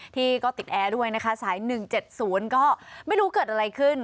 ที่ก็ติดแอร์ด้วยนะคะสาย๑๗๐ก็ไม่รู้เกิดอะไรขึ้น